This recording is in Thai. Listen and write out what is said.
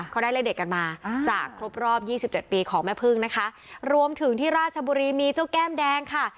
เขาได้เลขเด็ดกันมาจากครบรอบยี่สิบเจ็ดปีของแม่พึ่งนะคะรวมถึงที่ราชบุรีมีเจ้าแก้มแดงค่ะ